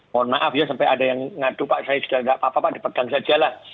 mohon maaf ya sampai ada yang ngadu pak saya sudah tidak apa apa pak dipegang saja lah